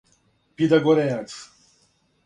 питагорејац